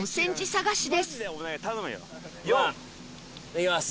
いきます！